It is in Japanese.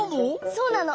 そうなの！